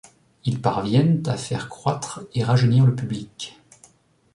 Ils parviennent à faire croître et rajeunir le public.